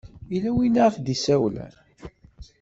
Yella win i ak-d-isawlen?